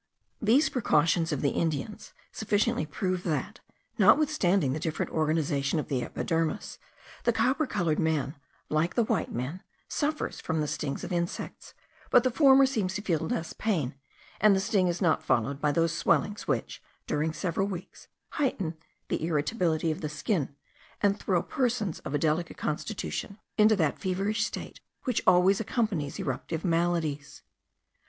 These precautions of the Indians sufficiently prove that, notwithstanding the different organization of the epidermis, the copper coloured man, like the white man, suffers from the stings of insects; but the former seems to feel less pain, and the sting is not followed by those swellings which, during several weeks, heighten the irritability of the skin, and throw persons of a delicate constitution into that feverish state which always accompanies eruptive maladies.